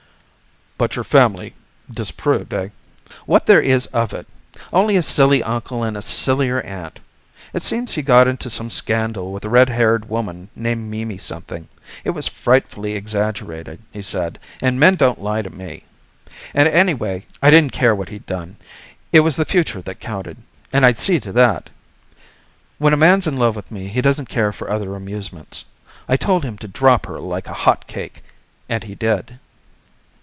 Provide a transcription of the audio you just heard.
"But your family disapproved, eh?" "What there is of it only a silly uncle and a sillier aunt. It seems he got into some scandal with a red haired woman name Mimi something it was frightfully exaggerated, he said, and men don't lie to me and anyway I didn't care what he'd done; it was the future that counted. And I'd see to that. When a man's in love with me he doesn't care for other amusements. I told him to drop her like a hot cake, and he did."